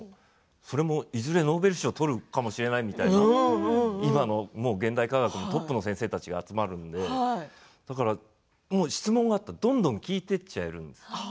それもいずれノーベル賞を取るかもしれないぐらいの今の現代科学のトップの先生たちが集まるので質問があったらどんどん聞いていけるんです。